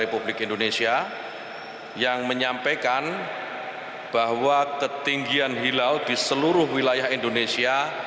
republik indonesia yang menyampaikan bahwa ketinggian hilal di seluruh wilayah indonesia